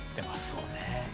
そうね。